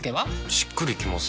しっくりきません。